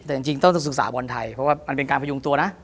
แต่จริงต้องศึกษาบอลไทยเพราะว่ามันเป็นการพยุงตัวนะ